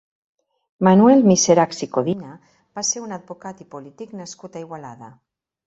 Manuel Miserachs i Codina va ser un advocat i polític nascut a Igualada.